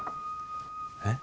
え？